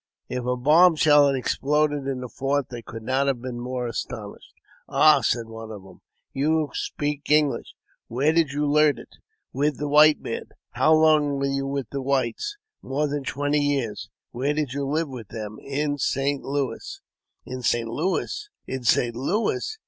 If a bomb shell had exploded in the fort they could not have been more astonished. "Ah," said one of them, " you speak English ! Where did you learn it?" "With the white man." " How long were you with the whites ?" 150 AUTOBIOGBAPHY OF " More than twenty years." " Where did you live with them ?"" In St. Louis." "In St. Louis ! in St. Louis